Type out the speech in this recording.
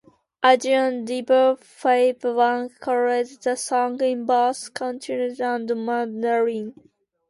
Asian diva Faye Wong covered the song in both Cantonese and Mandarin.